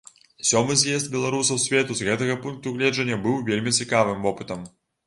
Сёмы з'езд беларусаў свету з гэтага пункту гледжання быў вельмі цікавым вопытам.